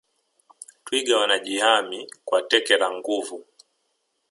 twiga wanajihami kwa teke la nguvu